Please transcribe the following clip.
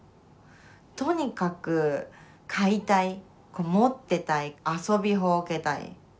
とにかく買いたい持ってたい遊びほうけたい。